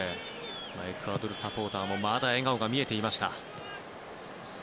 エクアドルサポーターもまだ笑顔が見えていました。